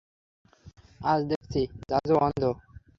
আজ দেখছি, জাজও অন্ধ হয়।